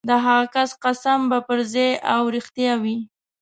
د هغه کس قسم به پرځای او رښتیا وي.